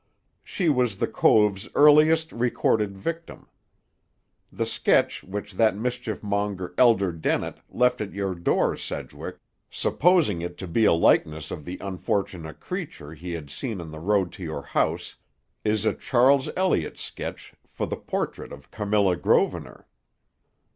She was the Cove's earliest recorded victim. The sketch which that mischief monger, Elder Dennett, left at your door, Sedgwick, supposing it to be a likeness of the unfortunate creature he had seen on the road to your house, is a Charles Elliott sketch for the portrait of Camilla Grosvenor."